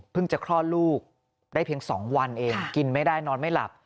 จะคลอดลูกได้เพียง๒วันเองกินไม่ได้นอนไม่หลับ